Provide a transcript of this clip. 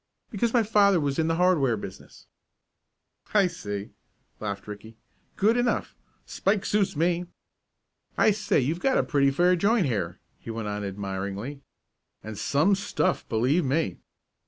"Because my father was in the hardware business." "I see!" laughed Ricky. "Good enough. Spike suits me. I say, you've got a pretty fair joint here," he went on admiringly. "And some stuff, believe me!"